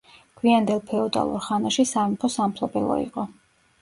გვიანდელ ფეოდალურ ხანაში სამეფო სამფლობელო იყო.